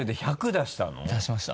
出しました。